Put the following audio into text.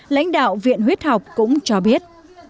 lãnh đạo viện huyết học cũng cho biết